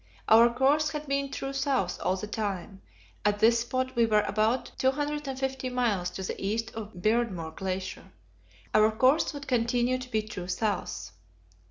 Our course had been true south all the time; at this spot we were about 250 miles to the east of Beardmore Glacier. Our course would continue to be true south.